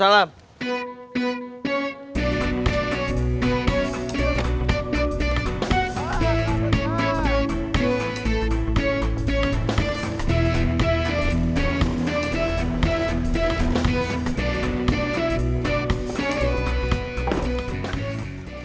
jangan langsung ya joseph